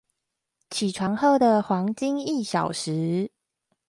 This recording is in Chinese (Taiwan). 起床後的黃金一小時